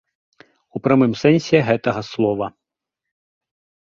У прамым сэнсе гэтага слова.